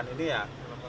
kedua kalau saya lihat ya